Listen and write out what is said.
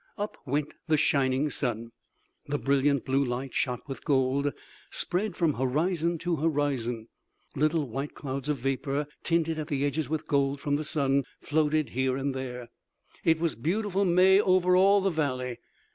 Up went the shining sun. The brilliant blue light, shot with gold, spread from horizon to horizon, little white clouds of vapor, tinted at the edges with gold from the sun, floated here and there. It was beautiful May over all the valley.